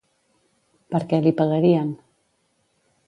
Per què li pegarien?